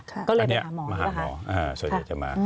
ก็เลยมาหาหมอมาหาหมอสวัสดีจำมา